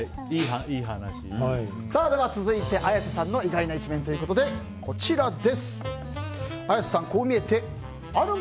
続いて、綾瀬さんの意外な一面ということでこちら。